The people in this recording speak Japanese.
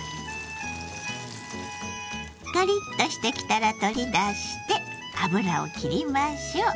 カリッとしてきたら取り出して油をきりましょう。